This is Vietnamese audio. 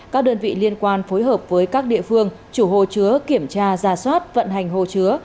các đơn vị liên quan phối hợp với các địa phương chủ hồ chứa kiểm tra ra soát vận hành hồ chứa